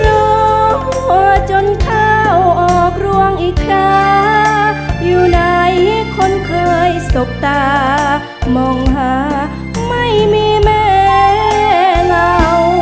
รอจนเข้าออกร่วงอีกค่าอยู่ในคนเคยสกตามองหาไม่มีแม่เหงา